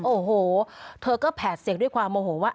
โอ้โหเธอก็แผดเสียงด้วยความโมโหว่า